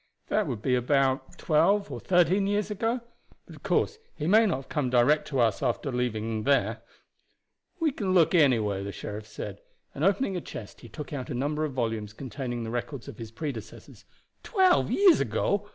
That would be about twelve or thirteen years ago; but, of course, he may not have come direct to us after leaving here." "We can look anyway," the sheriff said, and, opening a chest, he took out a number of volumes containing the records of his predecessors. "Twelve years ago!